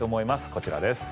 こちらです。